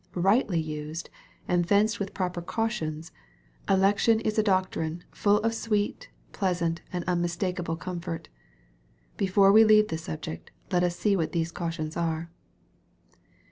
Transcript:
Kightly used, and fenced with proper cautions, election is a doctrine " full of sweet, pleasant, and unspeakable comfort." Before we leave the subject, let us see what these cautions are.